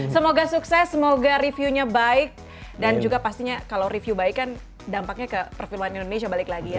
semoga sukses semoga reviewnya baik dan juga pastinya kalau review baik kan dampaknya ke perfilman indonesia balik lagi ya